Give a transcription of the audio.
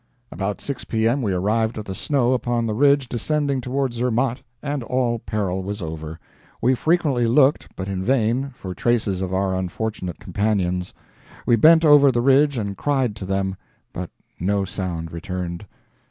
About 6 P.M., we arrived at the snow upon the ridge descending toward Zermatt, and all peril was over. We frequently looked, but in vain, for traces of our unfortunate companions; we bent over the ridge and cried to them, but no sound returned.